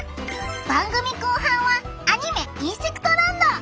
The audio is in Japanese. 番組後半はアニメ「インセクトランド」！